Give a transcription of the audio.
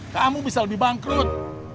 kamu bisa lebih bangkrut